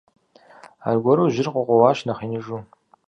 Аргуэру жьыр къыкъуэуащ, нэхъ иныжу.